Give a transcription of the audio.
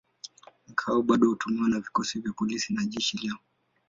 Ngao bado hutumiwa na vikosi vya polisi na jeshi leo.